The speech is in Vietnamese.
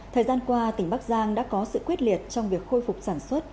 thời gian qua tỉnh bắc giang đã có sự quyết liệt trong việc khôi phục sản xuất